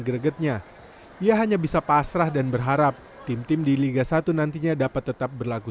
gregetnya ia hanya bisa pasrah dan berharap tim tim di liga satu nantinya dapat tetap berlagu